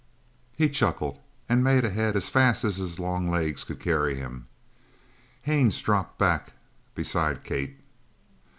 He chuckled and made ahead as fast as his long legs could carry him. Haines dropped back beside Kate.